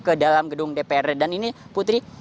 ke dalam gedung dpr dan ini putri